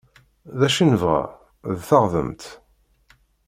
D acu i nebɣa? D taɣdemt!